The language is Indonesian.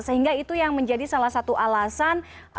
sehingga itu yang menjadi salah satu alasan